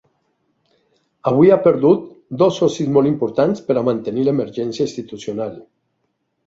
Avui ha perdut dos socis molt importants per a mantenir l’emergència institucional.